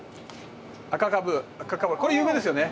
赤かぶこれ有名ですよね。